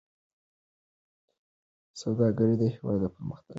سوداګري د هېواد د پرمختګ لاره ده.